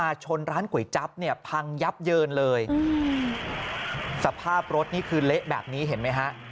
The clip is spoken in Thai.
ชนร้านก๋วยจั๊บเนี่ยพังยับเยินเลยสภาพรถนี่คือเละแบบนี้เห็นไหมฮะ